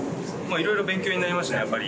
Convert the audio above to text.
いろいろ勉強になりましたね、やっぱり。